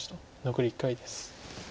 残り１回です。